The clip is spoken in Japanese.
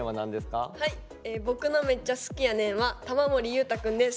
僕の「めっちゃ好きやねん！」は玉森裕太くんです。